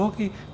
cái quy định này